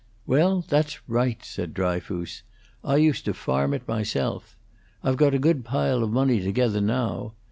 "Well, that's right," said Dryfoos. "I used to farm it myself. I've got a good pile of money together, now.